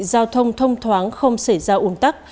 giao thông thông thoáng không xảy ra uống tắc